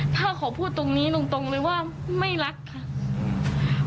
ถ้าขอพูดตรงนี้ตรงเลยว่าไม่รักค่ะ